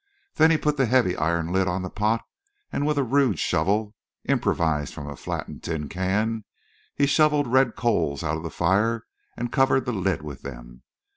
Then he put the heavy iron lid on the pot, and with a rude shovel, improvised from a flattened tin can, he shoveled red coals out of the fire, and covered the lid with them.